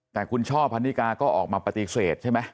แต่คุณช่อพันนิกาก็ออกมาปฏิเสธใช่ไหม